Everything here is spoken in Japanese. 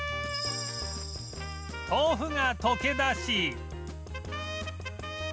豆腐が溶け出し